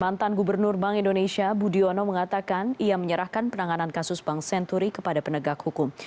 mantan gubernur bank indonesia budiono mengatakan ia menyerahkan penanganan kasus bank senturi kepada penegak hukum